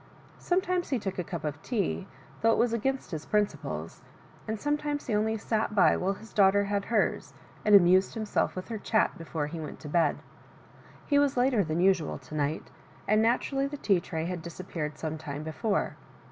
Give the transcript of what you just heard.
Sometimes he took a cup of tea, though it was against his principles, and sometimes he only sat by while his daughter had hers, and amused himself with her chat before he went to bed. He was later than usual to night^ and naturally the tea tray had disappeared some time befofe.